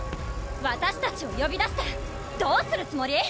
わたしたちをよび出してどうするつもり？